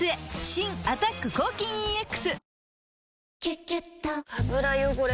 新「アタック抗菌ＥＸ」「キュキュット」油汚れ